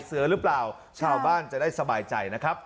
เสือหรือเปล่าชาวบ้านจะได้สบายใจนะครับ